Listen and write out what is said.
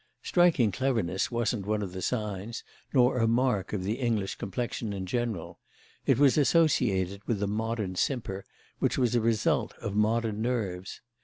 Striking cleverness wasn't one of the signs, nor a mark of the English complexion in general; it was associated with the modern simper, which was a result of modern nerves.